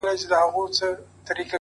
ای الله! د غمجنو غمونه ليري کړه